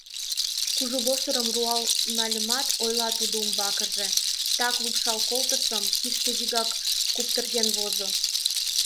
— Кужу воштырым руал нальымат, — ойла тудо умбакыже, — так лупшал колтышым, кишке вигак куптырген возо.